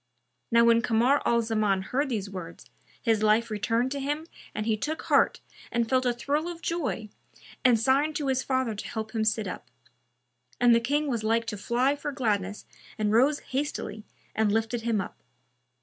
Now when Kamar al Zaman heard these words, his life returned to him and he took heart and felt a thrill of joy and signed to his father to help him sit up; and the King was like to fly for gladness and rose hastily and lifted him up.